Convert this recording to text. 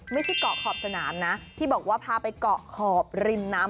ไม่ใช่เกาะขอบสนามนะที่บอกว่าพาไปเกาะขอบริมน้ำ